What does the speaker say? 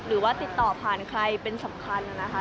หรือว่าติดต่อผ่านใครเป็นสำคัญนะคะ